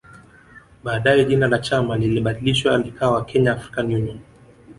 Baadae jina la chama lilibadilishwa likawa Kenya African Union